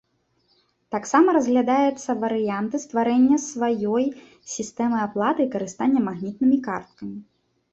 Таксама разглядаецца варыянты стварэння сваёй сістэмы аплаты і карыстання магнітнымі карткамі.